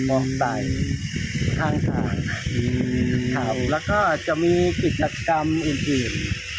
มองใต้ทางทางครับครับครับแล้วก็จะมีกิจกรรมอื่นอื่น